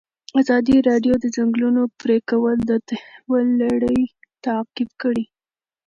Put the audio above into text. ازادي راډیو د د ځنګلونو پرېکول د تحول لړۍ تعقیب کړې.